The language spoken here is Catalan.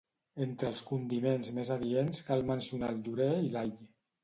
Entre els condiments més adients cal mencionar el llorer i l'all.